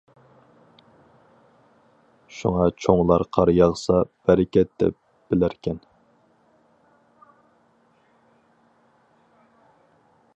شۇڭا چوڭلار قار ياغسا، بەرىكەت دەپ بىلەركەن.